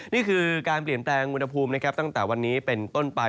นี่คือการเปลี่ยนแปลงอุณหภูมินะครับตั้งแต่วันนี้เป็นต้นไป